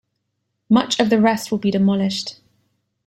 Much of the rest will be demolished.